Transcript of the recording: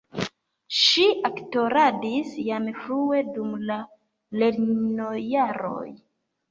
Ŝi aktoradis jam frue dum la lernojaroj.